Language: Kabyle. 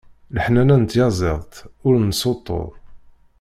Leḥnana n tyaziḍt, ur nessuṭṭuḍ.